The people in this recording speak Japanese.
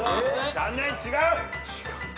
残念違う！